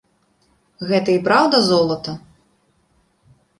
Гэта і праўда золата?